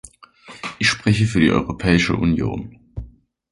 Ich spreche für die Europäische Union.